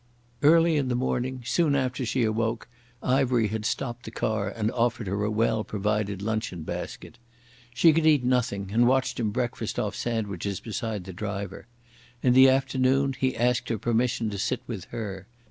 Early in the morning, soon after she awoke, Ivery had stopped the car and offered her a well provided luncheon basket. She could eat nothing, and watched him breakfast off sandwiches beside the driver. In the afternoon he asked her permission to sit with her.